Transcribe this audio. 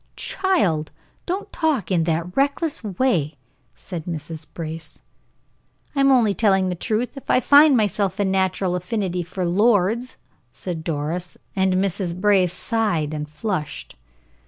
"Child, don't talk in that reckless way," said Mrs. Brace. "I'm only telling the truth. I find in myself a natural affinity for lords," said Doris, and Mrs. Brace sighed and flushed.